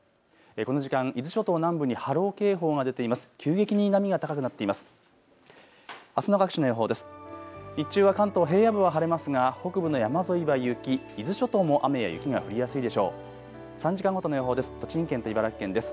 この時間、伊豆諸島南部に波浪警報が出ています。